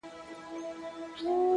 خوارسومه انجام مي د زړه ور مات كړ.!